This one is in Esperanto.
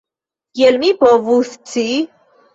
Kiel mi povus scii?